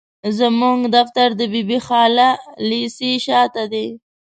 زموږ دفتر د بي بي خالا ليسي شاته دي.